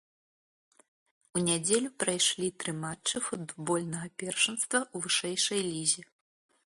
У нядзелю прайшлі тры матчы футбольнага першынства ў вышэйшай лізе.